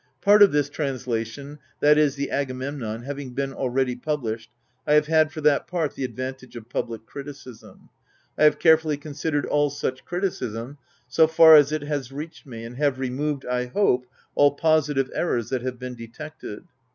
Part of this translation, viz., the Agamemnon^ having been already published, I have had, for that part, the advantage of public criticism. I have care fully considered all such criticism, so far as it has reached me, and have removed, I hope, all positive errors that have been detected.